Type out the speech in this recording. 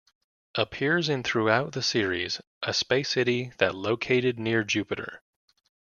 Appears in throughout the series a space city that located near Jupiter.